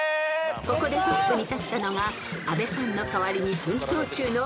［ここでトップに立ったのが阿部さんの代わりに奮闘中の川島ペア］